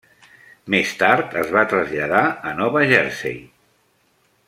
Més tard, es va traslladar a Nova Jersey.